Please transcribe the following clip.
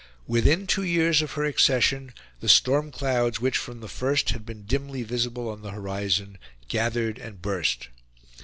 Within two years of her accession, the storm clouds which, from the first, had been dimly visible on the horizon, gathered and burst.